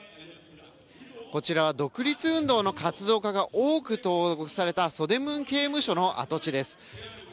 こちらは独立運動の活動家が多く投獄されたソデムン刑務所の跡地です。